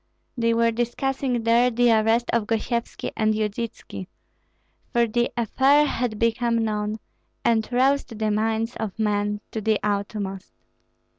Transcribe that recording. They were discussing there the arrest of Gosyevski and Yudytski; for the affair had become known, and roused the minds of men to the utmost.